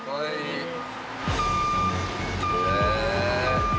へえ！